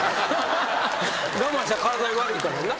我慢したら体に悪いからな。